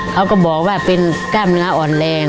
เขาก็บอกว่าเป็นกล้ามเนื้ออ่อนแรง